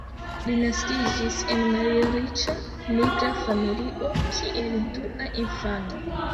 Li naskiĝis en malriĉa nigra familio, kiel dua infano.